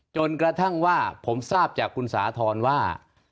จนกระทั่งว่าผมทราบจากคุณสาธรณ์ว่า